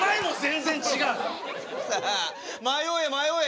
さあ迷え迷え。